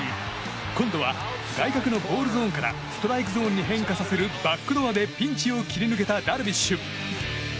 今度は、外角のボールゾーンからストライクゾーンに変化させるバックドアでピンチを切り抜けたダルビッシュ。